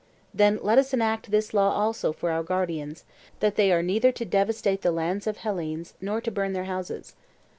Then let us enact this law also for our guardians:—that they are neither to devastate the lands of Hellenes nor to burn their houses.